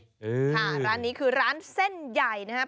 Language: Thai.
ค่ะร้านนี้คือร้านเส้นใหญ่นะครับ